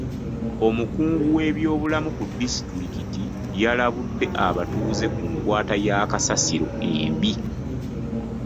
Omukungu w'ebyobulamu ku disitulikiti yalabudde abatuuze ku nkwata ya kasasiro embi.